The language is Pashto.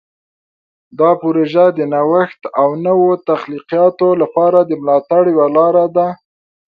دا پروژه د نوښت او نوو تخلیقاتو لپاره د ملاتړ یوه لاره ده.